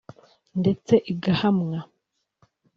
ndetse igahamwa